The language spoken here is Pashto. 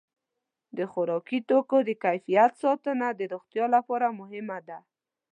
د خوراکي توکو د کیفیت ساتنه د روغتیا لپاره مهمه ده.